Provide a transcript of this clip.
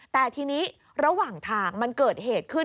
แต่ทีนี้ระหว่างทางมันเกิดเหตุขึ้น